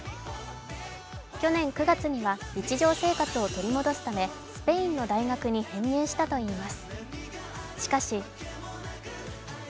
去年９月には日常生活を取り戻すため、スペインの大学に編入したといいます。